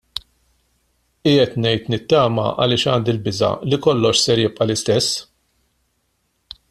Qiegħed ngħid nittama għaliex għandi l-biża' li kollox ser jibqa' l-istess.